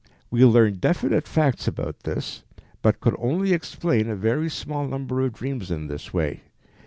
We learned definite facts about this, but could only explain a very small number of dreams in this way.